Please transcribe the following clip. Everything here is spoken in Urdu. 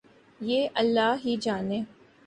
یہ اللہ ہی جانے۔